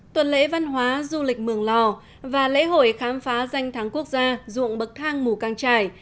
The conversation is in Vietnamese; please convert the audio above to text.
tuần lễ văn hóa du lịch mường lò và lễ hội khám phá danh thắng quốc gia dụng bậc thang mù căng trải